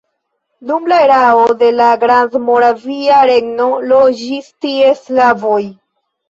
Dum la erao de la Grandmoravia Regno loĝis tie slavoj.